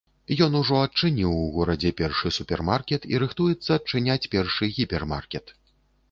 Ён ужо адчыніў у горадзе першы супермаркет і рыхтуецца адчыняць першы гіпермаркет.